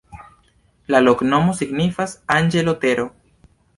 La loknomo signifas: anĝelo-tero.